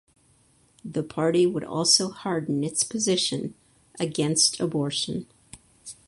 The party would also harden its position against abortion.